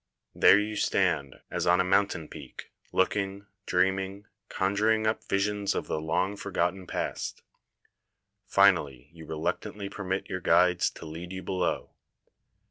There you stand as on a mountain peak, looking, dreaming, conjuring up visions of the long forgotten past. Finally you reluctantly per mit your guides to lead you below.